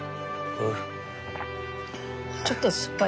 うん。